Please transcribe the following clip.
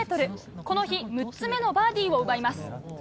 この日６つ目のバーディーを奪います。